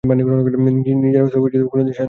নিজেরা কোনদিন শাসন করতে পারেনি।